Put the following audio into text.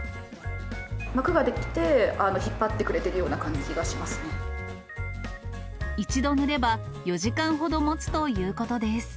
膜が出来て、引っ張ってくれ一度塗れば、４時間ほどもつということです。